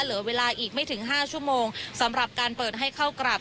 เหลือเวลาอีกไม่ถึง๕ชั่วโมงสำหรับการเปิดให้เข้ากลับ